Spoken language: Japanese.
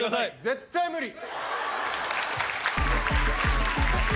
絶対無理。